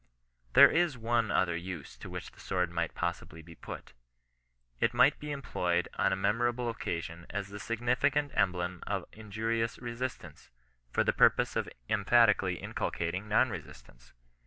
— There is one other use, to which the sword might possibly be put. It might be employed on a me morable occasion as the significant emblem of injurious resistance, for the purpose of emphatically inculcating non resistance.